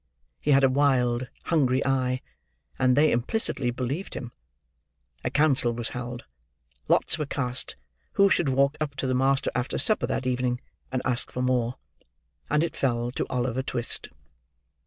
He had a wild, hungry eye; and they implicitly believed him. A council was held; lots were cast who should walk up to the master after supper that evening, and ask for more; and it fell to Oliver Twist.